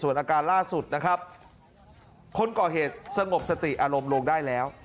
อาการล่าสุดนะครับคนก่อเหตุสงบสติอารมณ์ลงได้แล้ว